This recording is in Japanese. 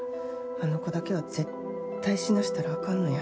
あの子だけは絶対死なせたらあかんのや。